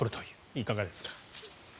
いかがですか。